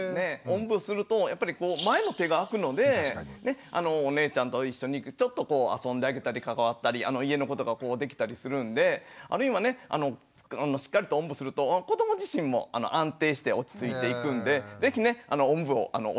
おんぶすると前の手が空くのでお姉ちゃんと一緒にちょっとこう遊んであげたり関わったり家のことがこうできたりするんであるいはねしっかりとおんぶすると子ども自身も安定して落ち着いていくんで是非ねおんぶをおすすめします。